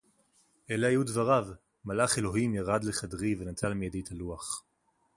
אֵלֶּה הָיוּ דְבָרָיו: ‘מַלְאַךְ אֱלֹהִים יָרַד לְחֶדְרִי וְנָטַל מִיָּדִי אֶת הַלּוּחַ.‘